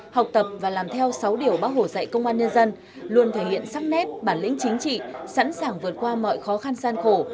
học tập và làm theo sáu điều bác hồ dạy công an nhân dân luôn thể hiện sắc nét bản lĩnh chính trị sẵn sàng vượt qua mọi khó khăn gian khổ